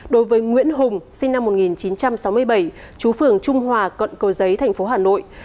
đối với nguyễn hùng sinh năm một nghìn chín trăm sáu mươi bảy chú phường trung hòa cận cầu giấy tp hà nội